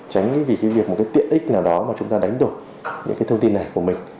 tránh vì cái việc một cái tiện ích nào đó mà chúng ta đánh đổi những cái thông tin này của mình